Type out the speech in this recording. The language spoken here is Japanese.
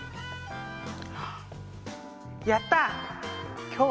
やった！